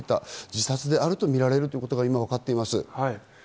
自殺であるとみられるということがわかっています。